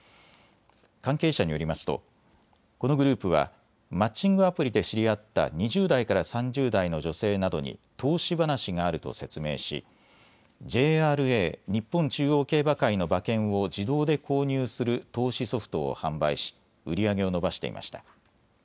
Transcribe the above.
関係者によりますとこのグループはマッチングアプリで知り合った２０代から３０代の女性などに投資話があると説明しＪＲＡ・日本中央競馬会の馬券を自動で購入する投資ソフトを販売し売り上げを伸ばしていました。